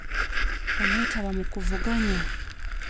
Oneetaba mu kuvuganya?